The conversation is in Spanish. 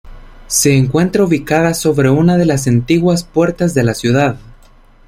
Se encuentra ubicada sobre una de las antiguas puertas de la ciudad.